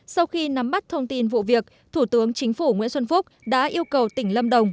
sau khi nắm bắt thông tin vụ việc thủ tướng chính phủ nguyễn xuân phúc đã yêu cầu tỉnh lâm đồng